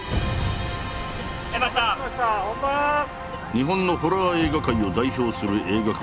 日本のホラー映画界を代表する映画監督